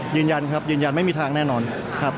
ยืนยันครับยืนยันไม่มีทางแน่นอนครับ